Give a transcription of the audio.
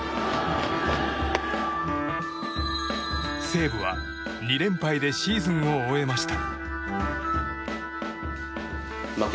西武は２連敗でシーズンを終えました。